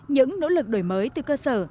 những nỗ lực đổi mới từ cơ sở